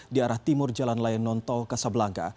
di arah timur jalan layan nontol ke sablanka